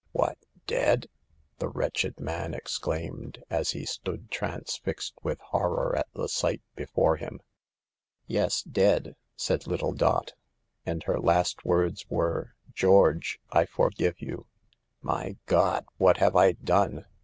" What, dead !" the wretched man ex claimed, as he stood transfixed with horror at the sight before him. " Yes, dead," said little Dot ;" and her last words were 4 George, I forgive you.' " "My God! what have I done?"